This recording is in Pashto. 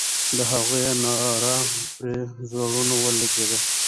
د هغې ناره پر زړونو ولګېده.